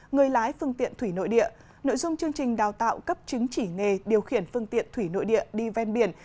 người lái phương tiện thủy nội địa nội dung chương trình đào tạo cấp chứng chỉ nghề điều khiển phương tiện thủy nội địa đi ven biển